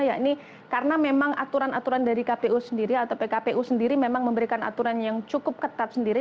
yakni karena memang aturan aturan dari kpu sendiri atau pkpu sendiri memang memberikan aturan yang cukup ketat sendiri